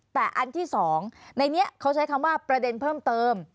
แต่อันที่๒ในนี้เขาใช้คำว่าประเด็นเพิ่มเติม